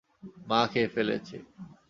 মা খেয়ে ফেলেছে।